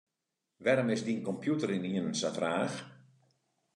Wêrom is dyn kompjûter ynienen sa traach?